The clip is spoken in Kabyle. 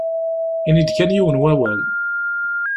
Ini-d kan yiwen n wawal.